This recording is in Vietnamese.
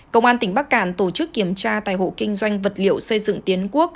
công an tỉnh bắc cạn tổ chức kiểm tra tại hộ kinh doanh vật liệu xây dựng tiến quốc